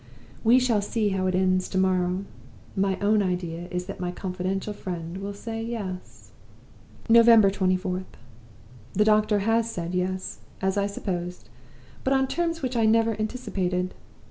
"We shall see how it ends to morrow. My own idea is that my confidential friend will say Yes." "November 24th. The doctor has said Yes, as I supposed; but on terms which I never anticipated.